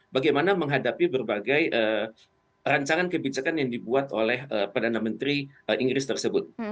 bagaimana menghadapi berbagai rancangan kebijakan yang dibuat oleh perdana menteri inggris tersebut